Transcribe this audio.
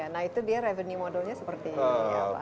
nah itu dia revenue modelnya seperti ini apa